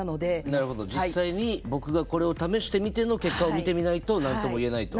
なるほど実際に僕がこれを試してみての結果を見てみないと何とも言えないと。